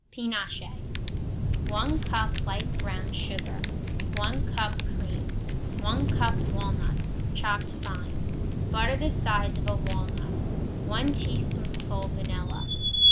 Pinoche 1 cup light brown sugar. 1 cup cream. 1 cup walnuts, chopped fine. Butter the size of a walnut. 1 teaspoonful vanilla.